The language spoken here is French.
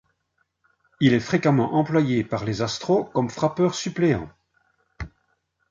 Il est fréquemment employé par les Astros comme frappeur suppléant.